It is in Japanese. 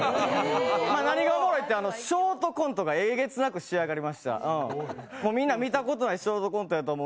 何がおもろいってショートコントがえげつなく仕上がりましてみんな見たことないショートコントやと思う。